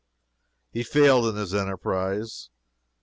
He failed in his enterprise.